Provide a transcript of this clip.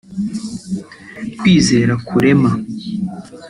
Kwizera kurema